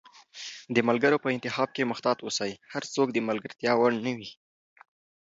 د ملګرو په انتخاب کښي محتاط اوسی، هرڅوک د ملګرتیا وړ نه وي